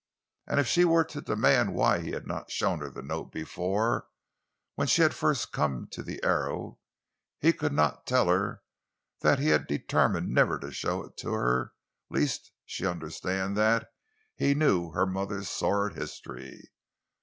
And if she were to demand why he had not shown her the note before—when she had first come to the Arrow—he could not tell her that he had determined never to show it to her, lest she understand that he knew her mother's sordid history.